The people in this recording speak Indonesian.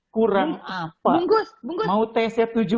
kurang apa mau tes ya